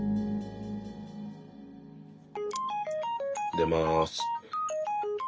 出ます。